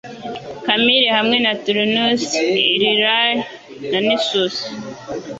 Camille hamwe na Turnus Euryale na Nissus